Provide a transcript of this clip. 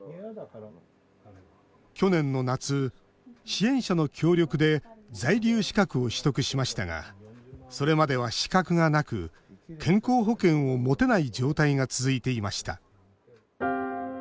去年の夏、支援者の協力で在留資格を取得しましたがそれまでは資格がなく健康保険を持てない状態が続いていました。